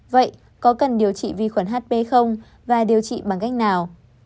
vậy có cần điều trị vi khuẩn hp và điều trị bằng cách nào